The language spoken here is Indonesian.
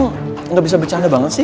tidak bisa bercanda banget sih